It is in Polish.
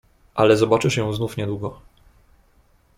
"Ale zobaczysz ją znów niedługo."